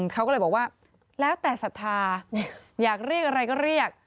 เขาก็เลยบอกว่าแล้วแต่ศรัทธาอยากเรียกอะไรก็เรียก